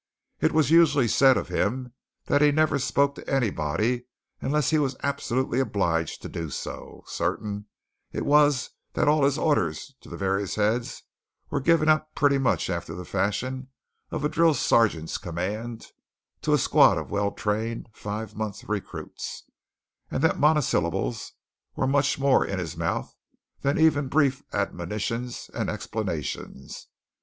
It was usually said of him that he never spoke to anybody unless he was absolutely obliged to do so certain it was that all his orders to the various heads were given out pretty much after the fashion of a drill sergeant's commands to a squad of well trained, five month recruits, and that monosyllables were much more in his mouth than even brief admonitions and explanations.